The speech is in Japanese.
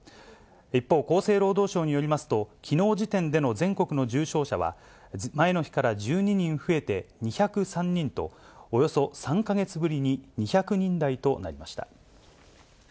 一方、厚生労働省によりますと、きのう時点での全国の重症者は、前の日から１２人増えて２０３人と、およそ３か月ぶりに２００人台となりました。